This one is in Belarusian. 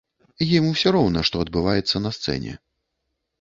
Ім усё роўна, што адбываецца на сцэне.